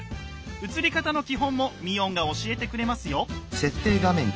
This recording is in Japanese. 映り方の基本もミオンが教えてくれますよ。